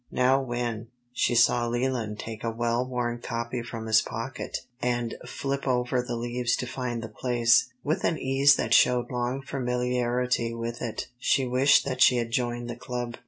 Now when, she saw Leland take a well worn copy from his pocket and flip over the leaves to find the place, with an ease that showed long familiarity with it, she wished that she had joined the club.